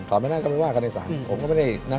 ถอนไม่ได้ก็ไม่ว่านิสัย